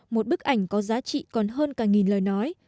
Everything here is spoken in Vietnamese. một bức ảnh có giá trị còn hơn cả nghìn lời nói